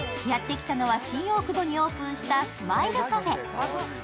やってきたのは、新大久保にオープンしたスマイルカフェ。